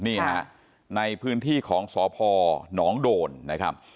นี่ฮะในพื้นที่ของสพหนองโดนนะครับ